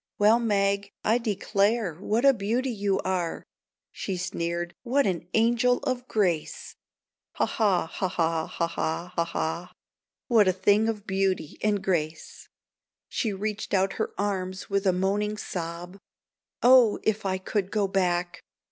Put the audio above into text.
"Well, Meg, I declare, what a beauty you are! She sneered, "What an angel of grace! Ha, ha, ha, ha, ha, ha, ha, ha! What a thing of beauty and grace!" She reached out her arms with a moaning sob: "Oh, if I could go back!"